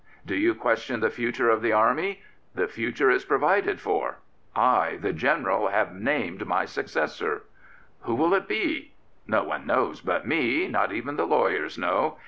Do you question the future of the Army? The future is provided for, I, the General, x88 General Booth have named my successor. " Who will it be? No one knows but me. Not even the lawyers know.